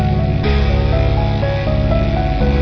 มีอย่างไรครับ